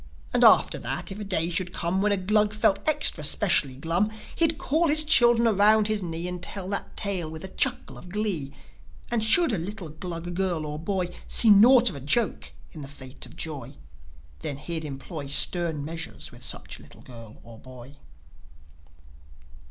And, after that, if a day should come When a Glug felt extra specially glum, He'd call his children around his knee, And tell that tale with a chuckle of glee. And should a little Glug girl or boy See naught of a joke in the fate of Joi, Then he'd employ Stern measures with such little girl or boy.